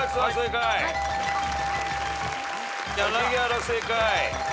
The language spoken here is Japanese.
柳原正解。